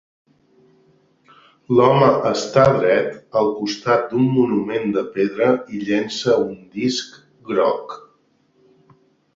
L'home està dret al costat d'un monument de pedra i llença un disc groc.